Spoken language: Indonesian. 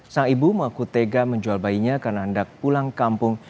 sang ibu mengaku tega menjual bayinya karena hendak pulang kampung